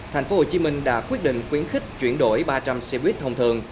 thành phố hồ chí minh đã quyết định khuyến khích chuyển đổi ba trăm linh xe buýt thông thường